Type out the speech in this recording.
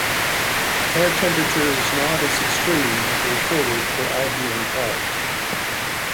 Air temperature is not as extreme as recorded for Albion Park.